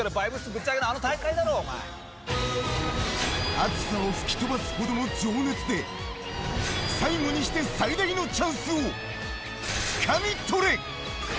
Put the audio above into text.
ぶち上げの暑さを吹き飛ばすほどの情熱で最後にして最大のチャンスをつかみ取れ。